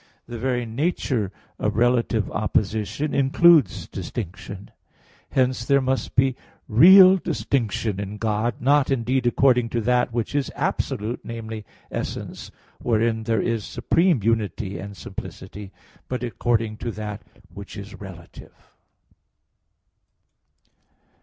The very nature of relative opposition includes distinction. Hence, there must be real distinction in God, not, indeed, according to that which is absolute namely, essence, wherein there is supreme unity and simplicity but according to that which is relative.